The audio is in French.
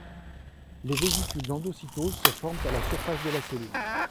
Les vésicules d'endocytose se forment à la surface de la cellule.